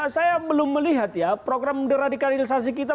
saya belum melihat ya program deradikalisasi kita